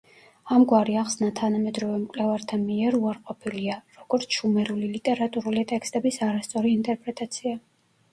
ამგვარი ახსნა თანამედროვე მკვლევართა მეირ უარყოფილია, როგორც შუმერული ლიტერატურული ტექსტების არასწორი ინტერპრეტაცია.